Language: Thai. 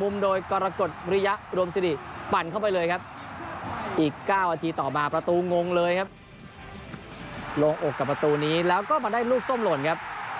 มุมโดยกรกฎวิริยะรวมสิริปั่นเข้าไปเลยครับอีก๙นาทีต่อมาประตูงงเลยครับลงอกกับประตูนี้แล้วก็มาได้ลูกส้มหล่นครับ